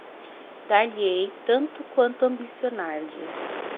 Dar-lhe-ei tanto quanto ambicionardes